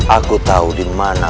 aku tahu dimana